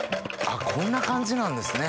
こんな感じなんですね